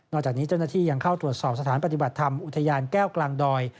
จากนี้เจ้าหน้าที่ยังเข้าตรวจสอบสถานปฏิบัติธรรมอุทยานแก้วกลางดอย